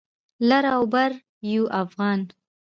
لر او بر يو افغان.